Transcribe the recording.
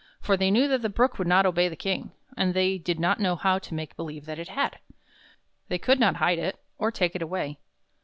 For they knew that the Brook would not obey the King, and they did not know how to make believe that it had. They could not hide it or take it away.